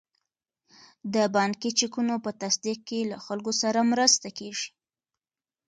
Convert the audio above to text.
د بانکي چکونو په تصدیق کې له خلکو سره مرسته کیږي.